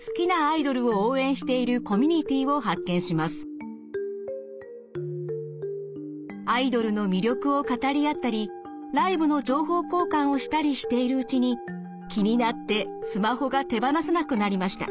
偶然ＳＮＳでアイドルの魅力を語り合ったりライブの情報交換をしたりしているうちに気になってスマホが手放せなくなりました。